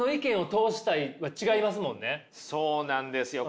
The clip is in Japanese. そうなんですよ。